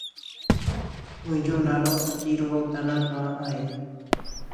منهنجو نالو Achiro Tanaka آهي.